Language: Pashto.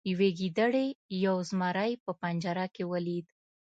یوې ګیدړې یو زمری په پنجره کې ولید.